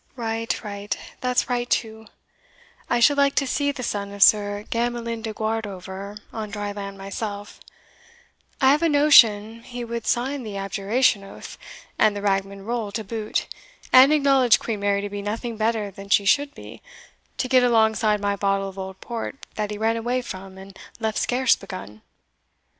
"Right, right, that's right too I should like to see the son of Sir Gamelyn de Guardover on dry land myself I have a notion he would sign the abjuration oath, and the Ragman roll to boot, and acknowledge Queen Mary to be nothing better than she should be, to get alongside my bottle of old port that he ran away from, and left scarce begun.